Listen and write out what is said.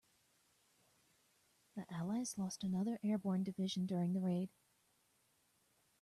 The allies lost another airborne division during the raid.